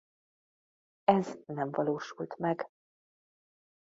Ez nem valósult meg.